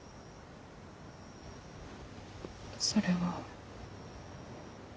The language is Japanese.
それは。